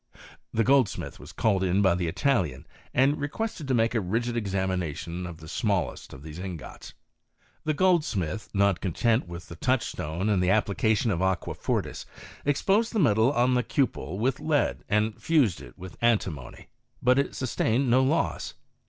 The goldsmith was called in by the Italian, and requested to make a rigid exa mination of the smallest of these ingots. The gold smith, not content with the touchstone and the appli cation of aqua fortis, exposed the metal on the cupel with lead, and fused it with antimony, but it sus tained no loss.